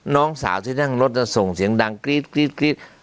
น้องสาวที่นั่งรถจะส่งเสียงดังกรี๊ดกรี๊ดกรี๊ด